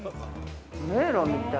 迷路みたい。